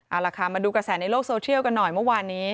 เอาล่ะค่ะมาดูกระแสในโลกโซเชียลกันหน่อยเมื่อวานนี้